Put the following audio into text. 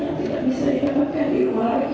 yang tidak bisa dikembangkan di rumah lagi